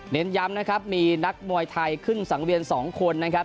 เน้นย้ำนะครับมีนักมวยไทยขึ้นสังเวียน๒คนนะครับ